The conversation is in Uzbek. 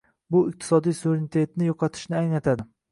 Bu iqtisodiy suverenitetni yo'qotishni anglatadi